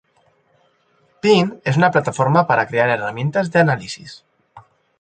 Pin es una plataforma para crear herramientas de análisis.